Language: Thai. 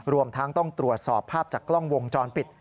รวมทั้งต้องตรวจสอบภาพจากกล้องวงจรปิด